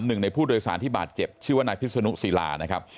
หนึ่งในผู้โดยสารที่บาดเจ็บชื่อว่านายพิษนุศิลานะครับ